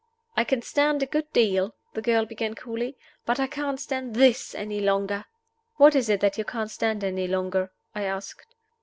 "I can stand a good deal," the girl began, coolly, "but I can't stand this any longer?" "What is it that you can't stand any longer?" I asked.